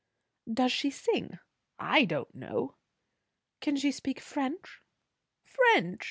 "Does she sing?" "I don't know!" "Can she speak French?" "French!"